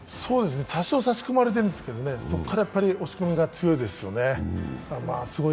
多少、差し込まれているんですけど、そこから押し込みが強いですよね。